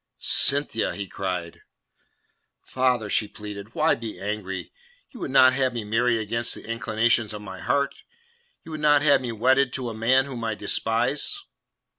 "Cynthia!" he cried. "Father," she pleaded, "why be angry? You would not have me marry against the inclinations of my heart? You would not have me wedded to a man whom I despise?"